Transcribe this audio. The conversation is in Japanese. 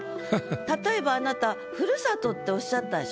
例えばあなた「ふるさと」っておっしゃったでしょ？